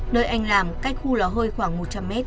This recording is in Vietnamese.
nơi anh làm cách khu lò hơi khoảng một trăm linh m